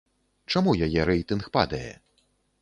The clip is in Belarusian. Чаму яе рэйтынг падае?